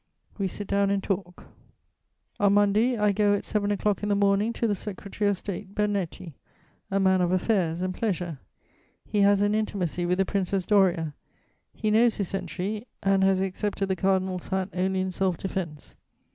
We sit down and talk. [Illustration: Pope Leo XII.] On Monday I go at seven o'clock in the morning to the Secretary of State, Bernetti, a man of affairs and pleasure. He has an intimacy with the Princess Doria; he knows his century, and has accepted the cardinal's hat only in self defense.